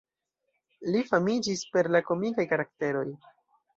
Li famiĝis per la komikaj karakteroj.